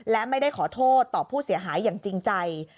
และไม่ได้ขอโทษต่อผู้เสียหายอย่างจริงใจ